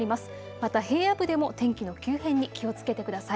また平野部でも天気の急変に気をつけてください。